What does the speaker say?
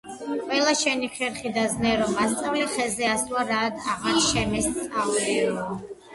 ყველა შენი ხერხი და ზნე რომ მასწავლე, ხეზე ასვლა რად აღარ შემასწავლეო